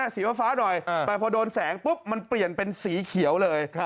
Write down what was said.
สีฟ้าหน่อยแต่พอโดนแสงปุ๊บมันเปลี่ยนเป็นสีเขียวเลย